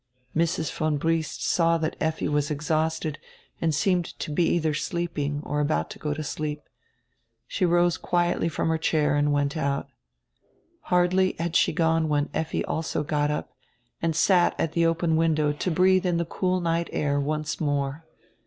Mrs. von Briest saw that Effi was exhausted and seemed to be either sleeping or about to go to sleep. She rose quietly from her chair and went out. Hardly had she gone when Effi also got up, and sat at the open window to breathe in the cool night air once more.